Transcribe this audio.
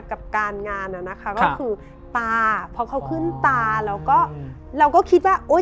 กับการงานอ่ะนะคะก็คือตาเพราะเขาขึ้นตาแล้วก็เราก็คิดว่าอุ้ย